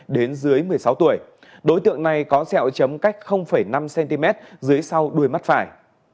đến dưới một mươi sáu tuổi đối tượng này có sẹo chấm cách năm cm dưới sau đuôi mắt phải